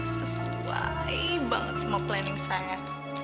sesuai banget semua planning saya